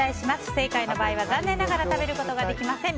不正解の場合は食べることができません。